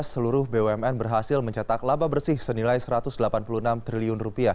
seluruh bumn berhasil mencetak laba bersih senilai rp satu ratus delapan puluh enam triliun